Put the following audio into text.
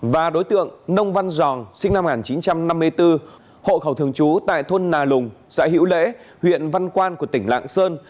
và đối tượng nông văn giòn sinh năm một nghìn chín trăm năm mươi bốn hộ khẩu thường trú tại thôn nà lùng xã hữu lễ huyện văn quan của tỉnh lạng sơn